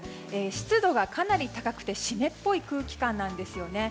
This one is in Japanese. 湿度がかなり高くて湿っぽい空気感なんですね。